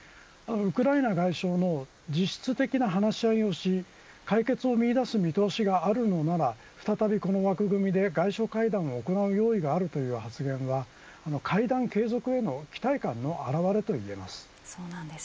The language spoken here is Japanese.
ウクライナ外相の実質的な話し合いをし解決を見いだす見通しがあるのなら再びこの枠組みで外相会談を行う用意があるという発言は、会談継続への期待感の表れといえます。